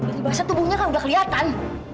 ini bahasa tubuhnya kan udah keliatan